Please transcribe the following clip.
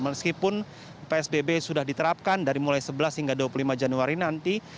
meskipun psbb sudah diterapkan dari mulai sebelas hingga dua puluh lima januari nanti